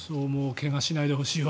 怪我しないでほしいわ。